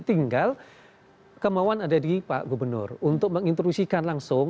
tinggal kemauan ada di pak gubernur untuk mengintrusikan langsung